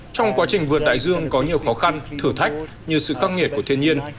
trong quá trình vườn đại dương có nhiều khó khăn thử thách như sự khắc nghiệt của thiên nhiên